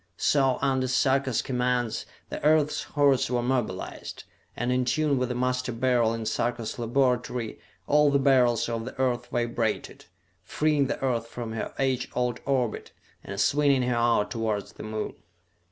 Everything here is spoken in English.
So, under Sarka's commands, the Earth's hordes were mobilized; and in tune with the Master Beryl in Sarka's laboratory all the Beryls of the Earth vibrated, freeing the Earth from her age old orbit and swinging her out towards the Moon.